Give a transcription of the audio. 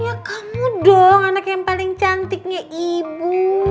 ya kamu dong anak yang paling cantiknya ibu